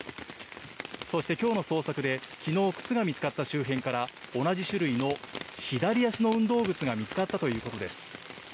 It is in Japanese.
そしてきょうの捜索で、きのう、靴が見つかった周辺から同じ種類の左足の運動靴が見つかったということです。